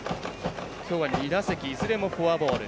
きょうは２打席いずれもフォアボール。